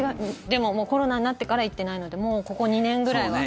でもコロナになってから行っていないのでもうここ２年ぐらいは。